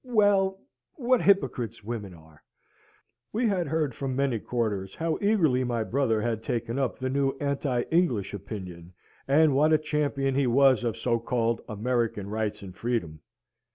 Well, what hypocrites women are! We heard from many quarters how eagerly my brother had taken up the new anti English opinion, and what a champion he was of so called American rights and freedom.